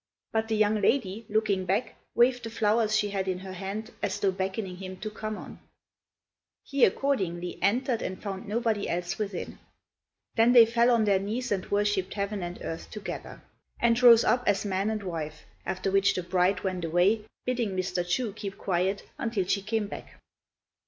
But the young lady, looking back, waved the flowers she had in her hand as though beckoning him to come on. He accordingly entered and found nobody else within. Then they fell on their knees and worshipped heaven and earth together, and rose up as man and wife, after which the bride went away, bidding Mr. Chu keep quiet until she came back.